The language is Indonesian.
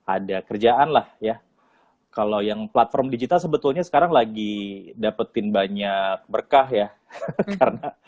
ada kerjaan lah ya kalau yang platform digital sebetulnya sekarang lagi dapetin banyak berkah ya karena